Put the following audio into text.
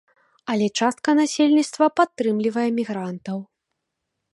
Але частка насельніцтва падтрымлівае мігрантаў.